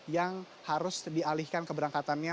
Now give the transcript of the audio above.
yang harus dialihkan keberangkatannya